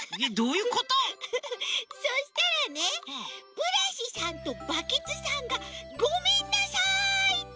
ブラシさんとバケツさんが「ごめんなさい」って。